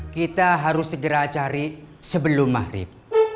kita harus segera cari sebelum maghrib